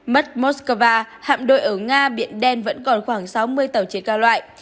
mất moskva hạm đội ở nga biển đen vẫn còn khoảng sáu mươi tàu chiến cao loại